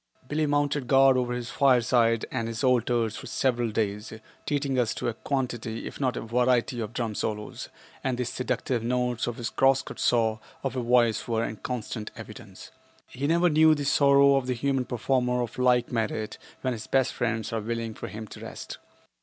Billie mounted guard over his fireside and his altars for several days, treating us to a quantity if not a variety of drum solos, and the seductive notes of his cross cut saw of a voice were in constant evidence. He never knew the sorrow of the human performer of like merit when his best friends are willing for him to rest.